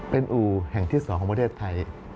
เป็นอู่แห่งที่๒ของประเทศไทย